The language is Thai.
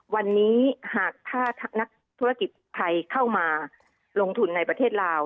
วันนี้หากถ้านักธุรกิจไทยเข้ามาลงทุนในประเทศลาว